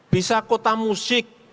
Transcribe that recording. bisa kota musik